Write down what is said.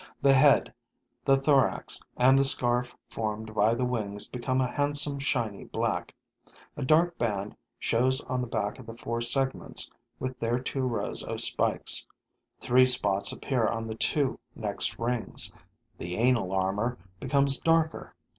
The head, the thorax and the scarf formed by the wings become a handsome, shiny black. A dark band shows on the back of the four segments with their two rows of spikes; three spots appear on the two next rings; the anal armor becomes darker.